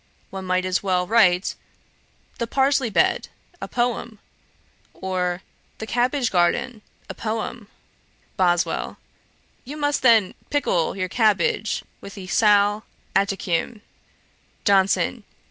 One might as well write the "Parsley bed, a Poem;" or "The Cabbage garden, a Poem."' BOSWELL. 'You must then pickle your cabbage with the sal atticum.' JOHNSON.